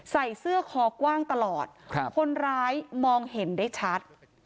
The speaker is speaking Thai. ใส่เสื้อคอกว้างตลอดครับคนร้ายมองเห็นได้ชัด